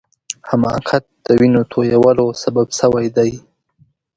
حماقت د وینو تویولو سبب سوی دی.